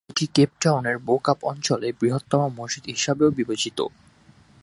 এটি কেপ টাউনের বো-কাপ অঞ্চলে বৃহত্তম মসজিদ হিসাবেও বিবেচিত।